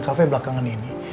cafe belakangan ini